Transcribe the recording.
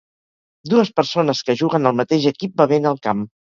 Dues persones que juguen al mateix equip bevent al camp.